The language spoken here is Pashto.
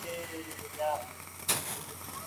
انسان باید خپل ارزښت وپېژني.